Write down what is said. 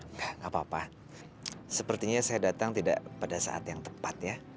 enggak apa apa sepertinya saya datang tidak pada saat yang tepat ya